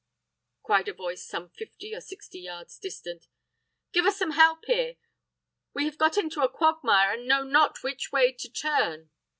cried a I voice some fifty or sixty yards distant. "Give us some help here. We have got into a quagmire, and know not which way to turn."